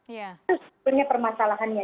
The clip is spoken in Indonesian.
itu sebetulnya permasalahannya